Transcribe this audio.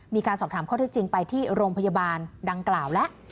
มีการสอบถามข้อเท็จจริงไปที่โรงพยาบาลดังกล่าวแล้ว